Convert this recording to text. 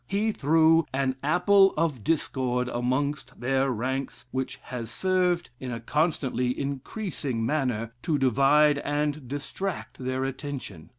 He threw an apple of discord amongst their ranks which has served, in a constantly increasing manner, to divide and distract their attention.